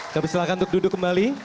kami silakan duduk kembali